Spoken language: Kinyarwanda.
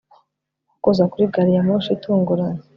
Nko kuza kuri gari ya moshi itunguranye